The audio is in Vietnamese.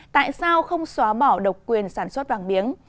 tại sao không xóa bỏ độc quyền sản xuất vàng biếng